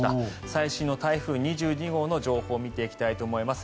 最新の台風２２号の情報を見ていきたいと思います。